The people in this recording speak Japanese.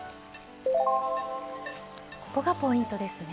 ここがポイントですね。